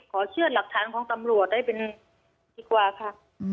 เชื่อหลักฐานของตำรวจได้เป็นดีกว่าค่ะ